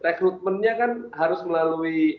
rekrutmennya kan harus melalui